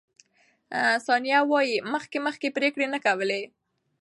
ثانیه وايي، مخکې مخکې پرېکړې نه کولې.